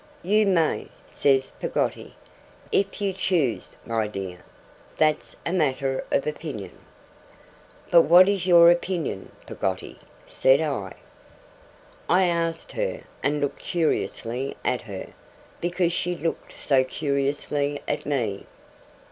'YOU MAY,' says Peggotty, 'if you choose, my dear. That's a matter of opinion.' 'But what is your opinion, Peggotty?' said I. I asked her, and looked curiously at her, because she looked so curiously at me.